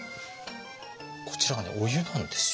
こちらがねお湯なんですよ。